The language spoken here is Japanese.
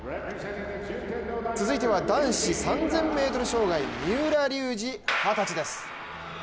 続いては、男子３０００ｍ障害三浦龍司、二十歳です。